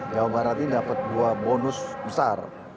jawa barat ini dapat dua bonus besar